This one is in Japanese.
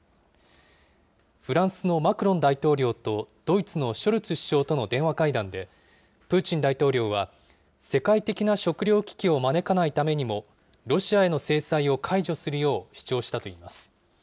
フランスのマクロン大統領とドイツのショルツ首相との電話会談で、プーチン大統領は、世界的な食糧危機を招かないためにも、ロシアへの制裁を解除するよう主張したといいます。